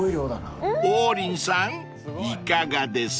［王林さんいかがです？］